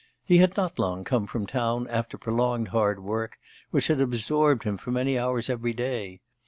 He had not long come from town after prolonged hard work, which had absorbed him for many hours every day.